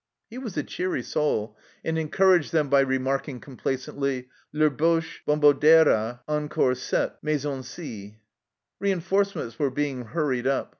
He was a cheery soul, and encouraged them by remarking complacently, " Les Boches bombard era encore cette maison ci." Reinforcements were being hurried up.